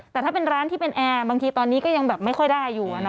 แต่ถ้าเป็นร้านที่เป็นแอร์บางทีตอนนี้ก็ยังแบบไม่ค่อยได้อยู่